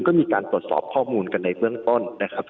ก็มีการตรวจสอบข้อมูลกันในเบื้องต้นนะครับ